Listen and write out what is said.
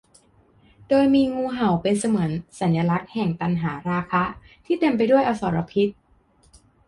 โดยมีงูเห่าเป็นเสมือนสัญลักษณ์แห่งตัณหาราคะที่เต็มไปด้วยอสรพิษ